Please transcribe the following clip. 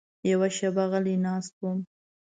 یوه شېبه غلی ناست وم.